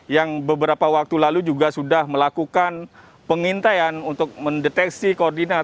yang beberapa waktu lalu juga sudah melakukan pengintaian untuk mendeteksi koordinat